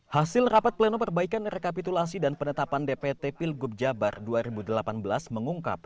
hasil rapat pleno perbaikan rekapitulasi dan penetapan dpt pilgub jabar dua ribu delapan belas mengungkap